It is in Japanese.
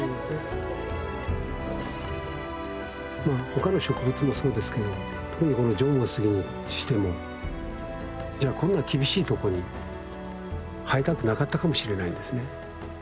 他の植物もそうですけど特にこの縄文杉にしてもじゃあこんな厳しいとこに生えたくなかったかもしれないんですね。